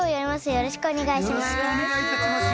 よろしくお願い致しましゅ。